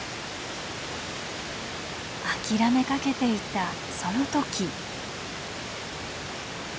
諦めかけていたその時。